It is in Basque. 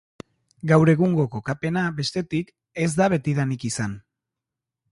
Gaur egungo kokapena, bestetik, ez da betidanik izan.